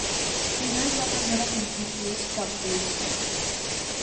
I no es va tornar a sentir res de cap d'ells.